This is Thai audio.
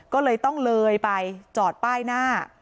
ก็เลยต้องเลยไปจอดป้ายหน้า